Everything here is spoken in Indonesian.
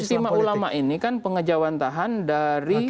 istimewa ulama ini kan pengejauhan tahan dari